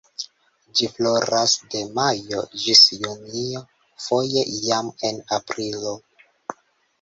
Ĝi floras de majo ĝis junio, foje jam en aprilo.